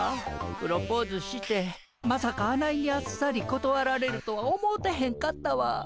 プロポーズしてまさかあないにあっさりことわられるとは思うてへんかったわ。